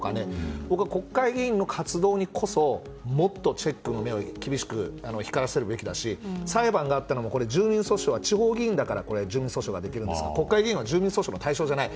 僕が思うのは国会議員の活動にこそもっとチェックの目を厳しく光らせるべきだし裁判があったのも住民訴訟は地方議員だからできるんだけど国会議員は対象じゃない。